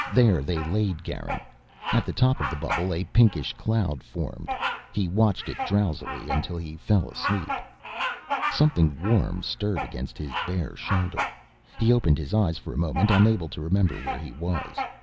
There they laid Garin. At the top of the bubble, a pinkish cloud formed. He watched it drowsily until he fell asleep. Something warm stirred against his bare shoulder. He opened his eyes, for a moment unable to remember where he was.